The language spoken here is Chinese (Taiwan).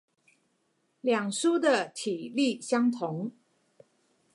兩書的體例相同